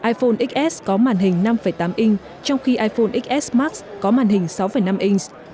iphone xs có màn hình năm tám inch trong khi iphone xs max có màn hình sáu năm inch